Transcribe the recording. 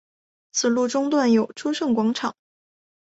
此路中段有诸圣广场。